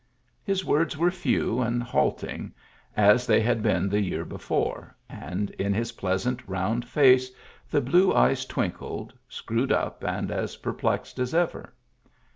His words were few and halting, as they had been the year before, and in his pleasant, round face the blue eyes twinkled, screwed up and as per plexed as ever.